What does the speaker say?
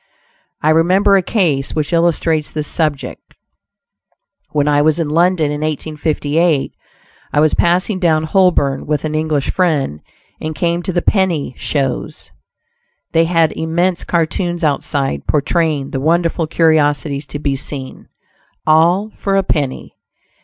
I remember a case which illustrates this subject. When I was in London in 1858, I was passing down Holborn with an English friend and came to the "penny shows." They had immense cartoons outside, portraying the wonderful curiosities to be seen "all for a penny."